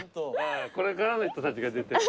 これからの人たちが出てる。